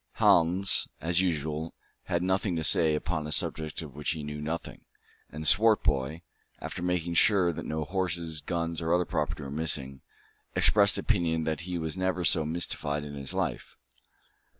Hans, as usual, had nothing to say upon a subject of which he knew nothing; and Swartboy, after making sure that no horses, guns, or other property were missing, expressed the opinion that he was never so mystified in his life.